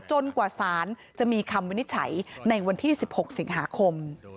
กว่าสารจะมีคำวินิจฉัยในวันที่๑๖สิงหาคม